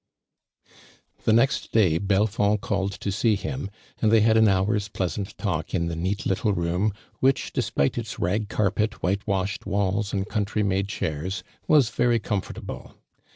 The next day Bolfond called to see liim, and thoy had an houi's jjloasant talkinth(» neat little rooin, wiiioli. (l(' )iit<,' its lag carpet, whitowushod walls and countiy made chiiirs, was very conilnrtable.